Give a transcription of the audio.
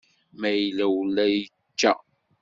Ma yella ula yečča.